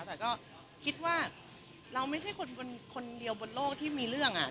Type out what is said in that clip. แต่ก็คิดว่าเราไม่ใช่คนเดียวบนโลกที่มีเรื่อง